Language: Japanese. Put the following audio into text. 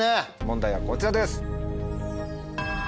問題はこちらです。